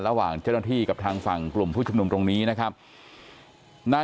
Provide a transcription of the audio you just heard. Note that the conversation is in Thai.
ระหว่างเจ้าหน้าที่กับทางฝั่งกลุ่มผู้ชุมนุมตรงนี้นะครับนาย